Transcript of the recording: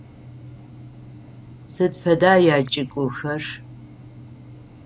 Сыд фэда ячӏыгухэр?